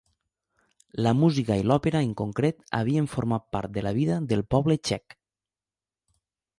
La música i l'òpera en concret havien format part de la vida del poble txec.